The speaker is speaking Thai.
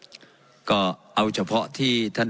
เป็นเพราะว่าคนกลุ่มหนึ่ง